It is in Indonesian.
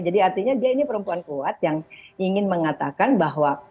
jadi artinya dia ini perempuan kuat yang ingin mengatakan bahwa